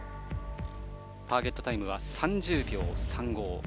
ターゲットタイムは３０秒３５。